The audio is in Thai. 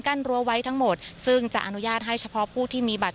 รั้วไว้ทั้งหมดซึ่งจะอนุญาตให้เฉพาะผู้ที่มีบัตร